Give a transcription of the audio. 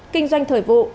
kinh doanh thởi vụ